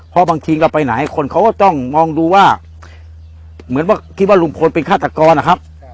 พอบางทีเราไปไหนคนเขาก็ต้องมองดูว่าเหมือนว่าคิดว่าลุงพลเป็นฆาตกรนะครับ